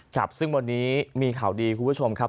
ครับซึ่งวันนี้มีข่าวดีคุณผู้ชมครับ